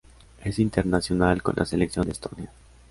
Es internacional con la selección de Estonia.